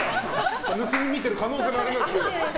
盗み見てる可能性もありますけど。